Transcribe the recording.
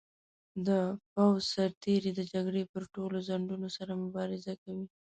د پوځ سرتیري د جګړې پر ټولو ځنډونو سره مبارزه کوي.